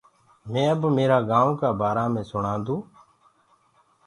مي اب ميرآ گائونٚ ڪآ بآرآ مي سُڻادو هونٚ۔